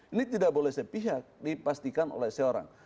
ini tidak boleh sepihak dipastikan oleh seorang